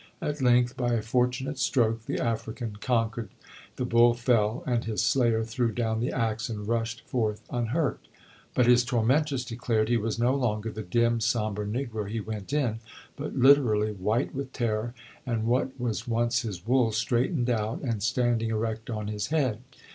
At length, by a fortunate stroke, the African conquered, the bull fell, and his slayer threw down the axe and rushed forth unhurt. But his tormentors declared "he was no longer the dim, sombre negro he went in, but literally white with terror, and what was once his wool straightened out and standing erect on his head."